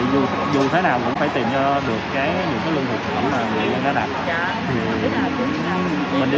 vì dù thế nào cũng phải tìm được những cái lương thực phẩm là người dân đã đặt